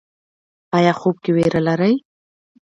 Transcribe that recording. ایا خوب کې ویره لرئ؟